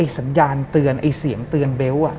สัญญาณเตือนไอ้เสียงเตือนเบลต์